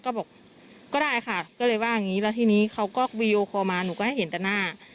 ก็บอกก็ได้ค่ะก็เลยว่าอย่างนี้แล้วทีนี้เขาก็วีดีโอคอลมาหนูก็ให้เห็นแต่หน้า